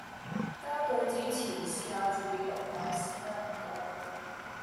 加句子前試下自己讀下先啦唔該